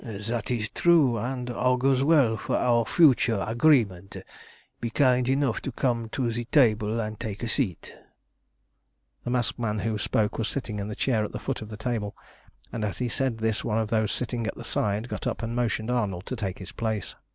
"That is true, and augurs well for our future agreement. Be kind enough to come to the table and take a seat." The masked man who spoke was sitting in the chair at the foot of the table, and as he said this one of those sitting at the side got up and motioned to Arnold to take his place.